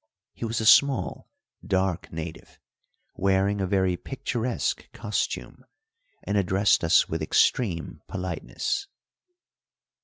He was a small dark native, wearing a very picturesque costume, and addressed us with extreme politeness.